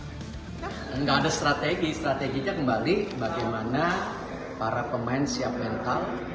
tidak ada strategi strateginya kembali bagaimana para pemain siap mental